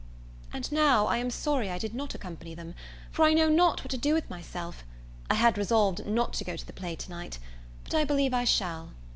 And now I am sorry I did not accompany them, for I know not what to do with myself. I had resolved not to go to the play to night; but I believe I shall.